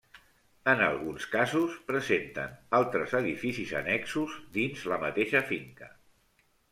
En alguns casos presenten altres edificis annexos dins la mateixa finca.